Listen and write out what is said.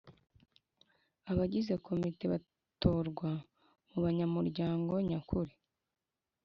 Abagize komite batorwa mu banyamuryango nyakuri